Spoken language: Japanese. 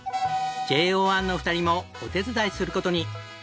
ＪＯ１の２人もお手伝いする事に。